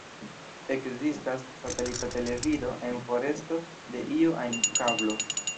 Ekzistas satelita televido, en foresto de iu ajn kablo.